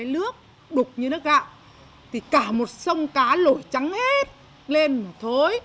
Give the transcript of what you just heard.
nước đục như nước gạo thì cả một sông cá lổi trắng hết lên mà thôi